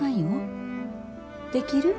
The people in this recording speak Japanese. できる？